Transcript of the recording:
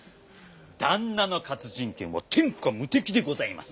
旦那の活人剣は天下無敵でございます。